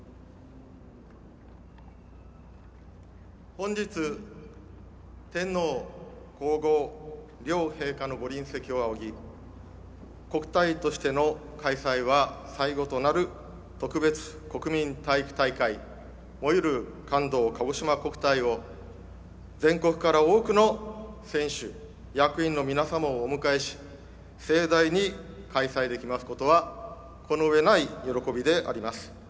本日、天皇皇后両陛下の御臨席を仰ぎ特国としての開催は最後となる特別国民体育大会「燃ゆる感動かごしま国体」を全国から多くの選手・役員の皆様をお迎えし盛大に開催できますことはこの上ない喜びであります。